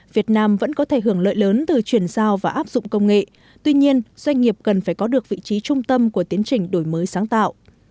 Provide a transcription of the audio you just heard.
việt nam vẫn có thể hưởng lợi lớn từ chuyển giao và áp dụng công nghệ tuy nhiên doanh nghiệp cần phải có được vị trí trung tâm của tiến trình đổi mới sáng tạo